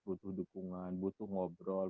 butuh dukungan butuh ngobrol